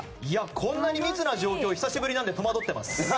こんなに密な状況久しぶりなので戸惑ってます。